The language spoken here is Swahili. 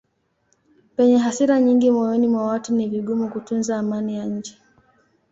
Penye hasira nyingi moyoni mwa watu ni vigumu kutunza amani ya nje.